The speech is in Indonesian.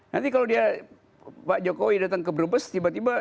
nanti kalau dia pak jokowi datang ke brebes tiba tiba